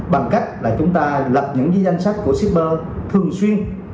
bằng cách là chúng ta lập những danh sách của shipper thường xuyên